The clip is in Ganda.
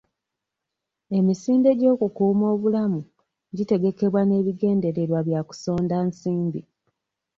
Emisinde gy'okukuuma obulamu gitegekebwa n'ebigendererwa bya kusonda nsimbi.